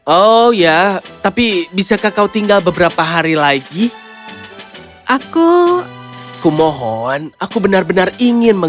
oh ya tapi bisakah kau tinggal beberapa hari lagi